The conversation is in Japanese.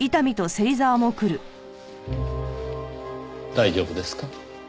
大丈夫ですか？